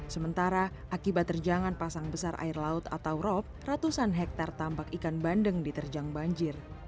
sementara akibat terjangan pasang besar air laut atau rop ratusan hektare tambak ikan bandeng diterjang banjir